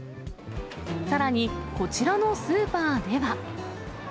さらに、こちらのスーパーでは。